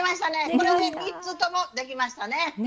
これで３つともできましたね。